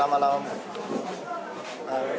ya kalau saya kan begini